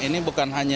ini bukan hanya